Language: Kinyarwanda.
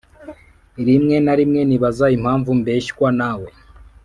rimwe na rimwe nibaza impamvu mbeshya nawe